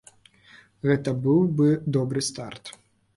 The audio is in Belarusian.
Гэта быў бы добры старт.